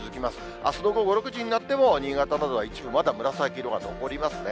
あすの午後６時になっても、新潟などは一部、まだ紫色が残りますね。